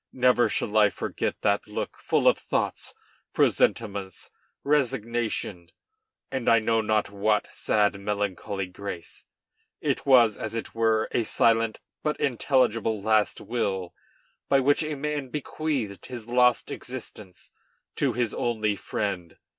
Never shall I forget that look, full of thoughts, presentiments, resignation, and I know not what sad, melancholy grace. It was, as it were, a silent but intelligible last will by which a man bequeathed his lost existence to his only friend.